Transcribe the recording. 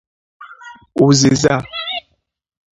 ụzịza